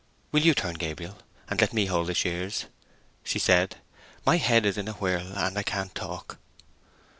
"Will you turn, Gabriel, and let me hold the shears?" she said. "My head is in a whirl, and I can't talk."